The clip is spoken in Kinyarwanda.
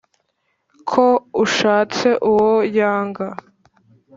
ko ushatse uwo yanga